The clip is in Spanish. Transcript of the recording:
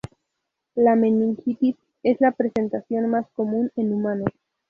La meningitis es la presentación más común en humanos.